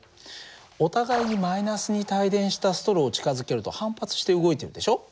お互いにマイナスに帯電したストローを近づけると反発して動いてるでしょ。